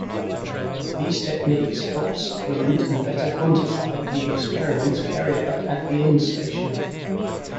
These techniques help supplement and better quantify the experiments carried out at the endstation.